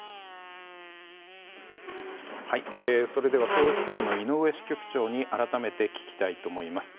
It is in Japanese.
ソウル支局の井上支局長に改めて聞きたいと思います。